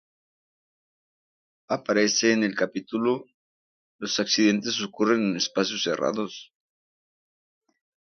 Aparece en el capítulo ""Los accidentes ocurren en espacios cerrados!